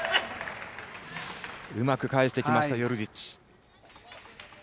うまく返してきました、ヨルジッチ。